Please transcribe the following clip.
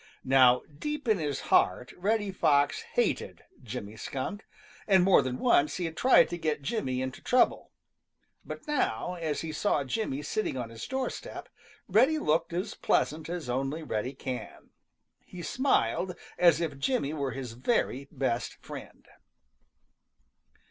Now deep down in his heart Reddy Fox hated Jimmy Skunk, and more than once he had tried to get Jimmy into trouble. But now, as he saw Jimmy sitting on his doorstep, Reddy looked as pleasant as only Reddy can. He smiled as if Jimmy were his very best friend.